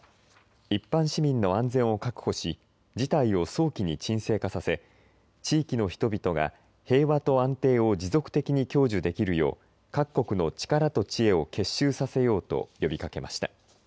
一般市民の安全を確保し事態を早期に沈静化させ地域の人々が平和と安定を持続的に享受できるよう各国の力と知恵を結集させようと呼びかけました。